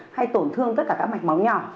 hay tổn thương tất cả các mạch máu nhỏ